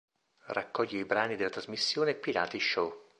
Raccoglie i brani della trasmissione "Pirati Show".